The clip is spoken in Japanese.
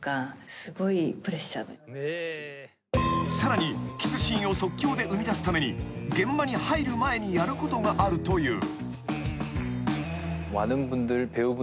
［さらにキスシーンを即興で生みだすために現場に入る前にやることがあるという］